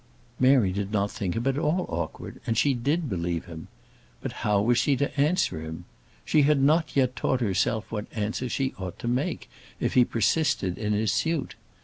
Mary did not think him at all awkward, and she did believe him. But how was she to answer him? She had not yet taught herself what answer she ought to make if he persisted in his suit.